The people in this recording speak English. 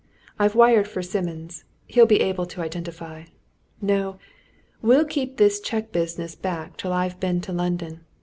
I've wired for Simmons he'll be able to identify. No we'll keep this cheque business back till I've been to London.